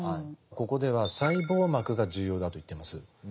ここでは細胞膜が重要だと言っています。